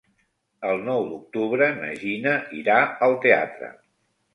El nou d'octubre na Gina irà al teatre.